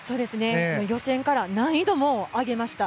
予選から難易度も上げました。